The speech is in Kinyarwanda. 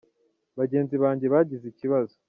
Bagenzi banjye bagize ikibazo.